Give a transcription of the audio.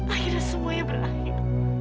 akhirnya semuanya berakhir